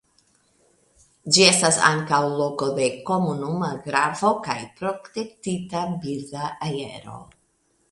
Ĝi estas ankaŭ Loko de Komunuma Gravo kaj Protektita birda areo.